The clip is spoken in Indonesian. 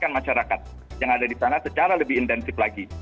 masyarakat yang ada di sana secara lebih intensif lagi